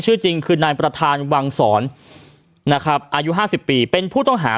ชื่อจริงคือนายประธานวังศรนะครับอายุ๕๐ปีเป็นผู้ต้องหา